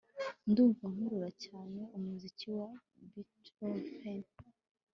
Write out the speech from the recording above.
ndumva nkurura cyane umuziki wa beethoven